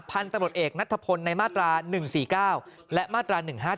พันธุ์ตำรวจเอกนัทพลในมาตรา๑๔๙และมาตรา๑๕๗